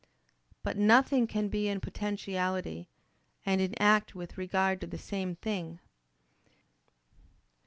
But nothing can be in potentiality and in act with regard to the same thing.